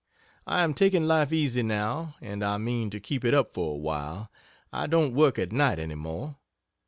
I am taking life easy, now, and I mean to keep it up for awhile. I don't work at night any more.